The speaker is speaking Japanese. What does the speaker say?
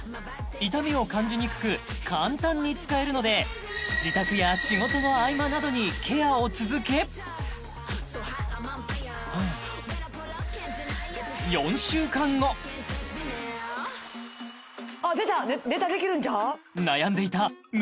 痛みを感じにくく簡単に使えるので自宅や仕事の合間などにケアを続け出たネタできるんちゃう？